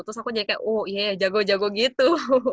terus aku nya kayak oh iya jago jago gitu